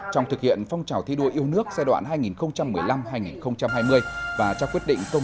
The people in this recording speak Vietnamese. trong thực hiện phong trào thi đua yêu nước giai đoạn hai nghìn một mươi năm hai nghìn hai mươi